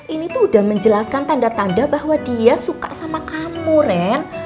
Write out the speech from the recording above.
ini tuh udah menjelaskan tanda tanda bahwa dia suka sama kamu ren